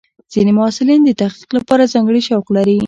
ځینې محصلین د تحقیق لپاره ځانګړي شوق لري.